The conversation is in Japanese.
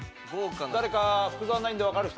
誰か福澤ナインでわかる人？